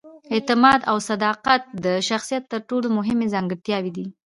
اعتماد او صداقت د شخصیت تر ټولو مهمې ځانګړتیاوې دي.